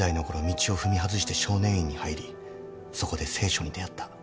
道を踏み外して少年院に入りそこで聖書に出合った。